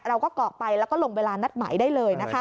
เราก็กรอกไปแล้วก็ลงเวลานัดหมายได้เลย